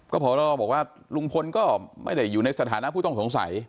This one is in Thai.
พรบอกว่าลุงพลก็ไม่ได้อยู่ในสถานะผู้ต้องสงสัย